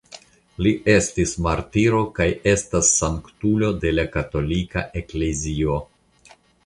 Li estis martiro kaj estas sanktulo de la Katolika Eklezio.